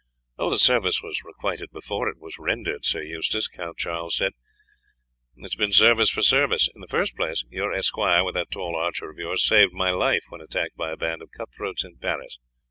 "The service was requited before it was rendered, Sir Eustace," Count Charles said; "it has been service for service. In the first place your esquire, with that tall archer of yours, saved my life when attacked by a band of cutthroats in Paris.